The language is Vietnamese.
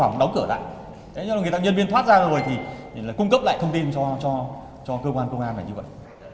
có phòng đóng cửa lại thế là khi nhân viên thoát ra rồi thì cung cấp lại thông tin cho cơ quan công an này như vậy